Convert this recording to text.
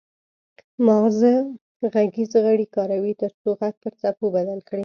مغزه غږیز غړي کاروي ترڅو غږ پر څپو بدل کړي